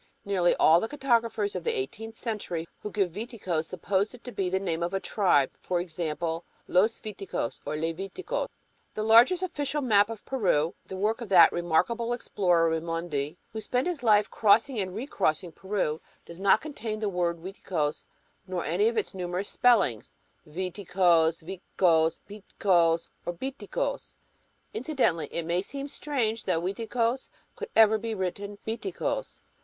Nearly all the cartographers of the eighteenth century who give "Viticos" supposed it to be the name of a tribe, e.g., "Los Viticos" or "Les Viticos." FIGURE Part of the Nuremberg Map of 1599, Showing Pincos and the Andes Mountains The largest official map of Peru, the work of that remarkable explorer, Raimondi, who spent his life crossing and recrossing Peru, does not contain the word Uiticos nor any of its numerous spellings, Viticos, Vitcos, Pitcos, or Biticos. Incidentally, it may seem strange that Uiticos could ever be written "Biticos."